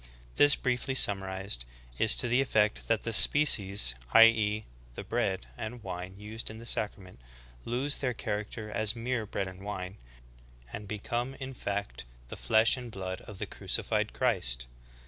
This briefly summarized, is to the effect that the species, i. e., the bread and wine used in the sacrament, lose their character as mere bread and wine, and become in fact the flesh and blood of the crucified Christ.